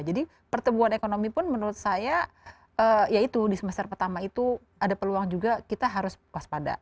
jadi pertemuan ekonomi pun menurut saya ya itu di semester pertama itu ada peluang juga kita harus waspada